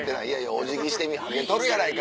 「お辞儀してみ」「ハゲとるやないか！」。